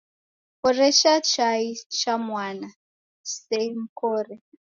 Horesha chai cha mwana, chisemkore